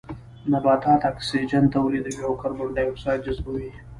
نباتات اکسيجن توليدوي او کاربن ډای اکسايد جذبوي